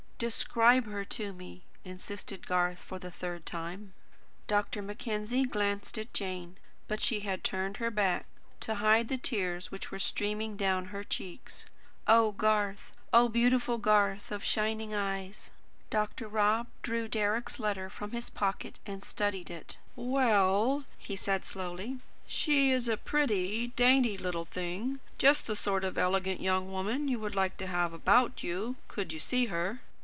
"Describe her to me," insisted Garth, for the third time. Dr. Mackenzie glanced at Jane. But she had turned her back, to hide the tears which were streaming down her cheeks. Oh, Garth! Oh, beautiful Garth of the shining eyes! Dr. Rob drew Deryck's letter from his pocket and studied it. "Well," he said slowly, "she is a pretty, dainty little thing; just the sort of elegant young woman you would like to have about you, could you see her."